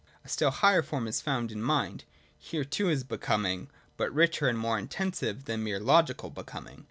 A still higher form is found in Mind. Here too is Becoming, but richer and more inten sive than mere logical Becoming.